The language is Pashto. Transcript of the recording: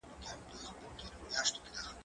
ايا ته زدکړه کوې!.